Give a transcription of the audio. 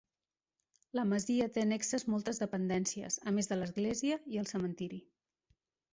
La masia té annexes moltes dependències a més de l'església i el cementiri.